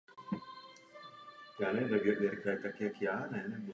Stimuluje růst mléčné žlázy a tvorbu mléka.